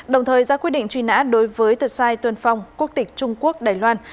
đồng thời ra quy định truy nã đối với tựa sai tuân phong quốc tịch trung quốc đài loan